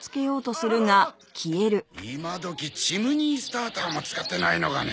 今時チムニースターターも使ってないのかね。